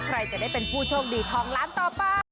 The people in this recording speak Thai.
ใครจะได้เป็นผู้โชคดีทองล้านต่อไป